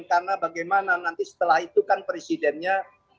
karena bagaimana nanti setelah itu kan presidennya